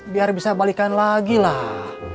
biar bisa balikan lagi lah